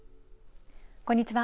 こんにちは。